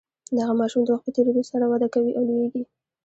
دغه ماشوم د وخت په تیریدو سره وده کوي او لوییږي.